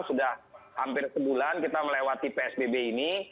sudah hampir sebulan kita melewati psbb ini